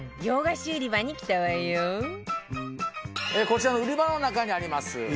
こちらの売り場の中にあります